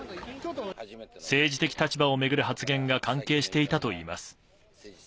政治的立場を巡る発言が関係していたといいます。